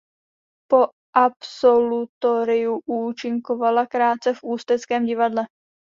Po absolutoriu účinkovala krátce v Ústeckém divadle.